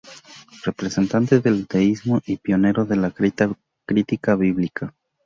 Representante del deísmo y pionero de la crítica bíblica.